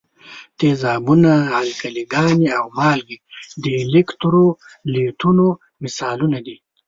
تیزابونه، القلي ګانې او مالګې د الکترولیتونو مثالونه دي.